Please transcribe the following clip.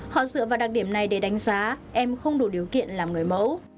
họ dựa vào đặc điểm này để đánh giá em không đủ điều kiện làm người mẫu